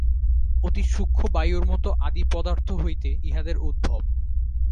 অতি সূক্ষ্ম বায়ুর মত আদি পদার্থ হইতে ইহাদের উদ্ভব।